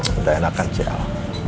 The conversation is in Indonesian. nggak enakan sih al